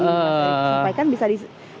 masa tadi disampaikan